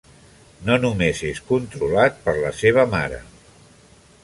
No només és controlat per la seva mare.